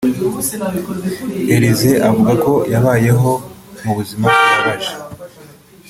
Elyse avuga ko yabayeho mu buzima bubabaje